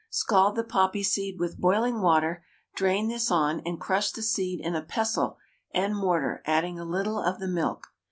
Scald the poppy seed with boiling water, drain this on and crush the seed in a pestle and mortar, adding a little of the milk.